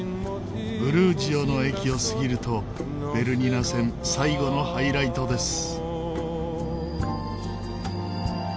ブルージオの駅を過ぎるとベルニナ線最後のハイライトです。